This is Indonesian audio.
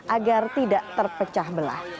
agar tidak terpecah belah